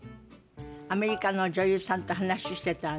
アメリカの女優さんと話してたらね